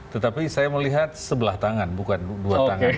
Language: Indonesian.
tetapi saya melihat sebelah tangan bukan dua tangan